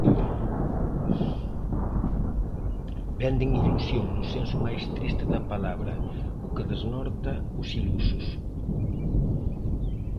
Venden ilusión, no senso máis triste da palabra: o que desnorta os ilusos.